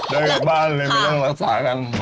เดินกลับบ้านเลยไม่ต้องรักษากัน